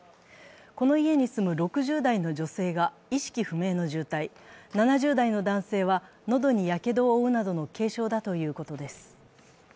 この家に住む６０代の女性が意識不明の重体、７０代の男性はのどにやけどを負うなどの軽傷だということです。